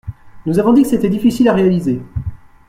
Nous vous avons dit que c’était difficile à réaliser.